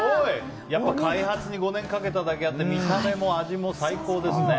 やっぱ開発に５年かけただけあって見た目も味も最高ですね。